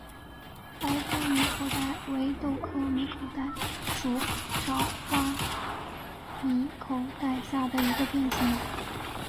白花米口袋为豆科米口袋属少花米口袋下的一个变型。